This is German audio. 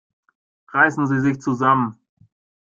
Reißen Sie sich zusammen!